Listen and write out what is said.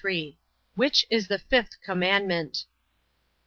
Which is the fifth commandment?